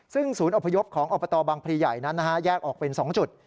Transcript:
ซึ่งศูนย์อพยพของอบตบังพลีใหญ่นั้นแยกออกเป็น๒จุด